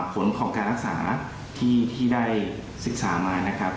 ผลของการรักษาที่ได้ศึกษามานะครับ